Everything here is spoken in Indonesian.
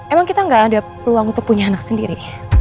emang kita gak ada peluang untuk punya anak sendiri